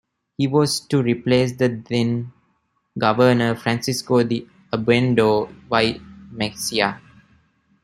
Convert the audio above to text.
He was to replace the then governor Francisco De Obando Y Mexia.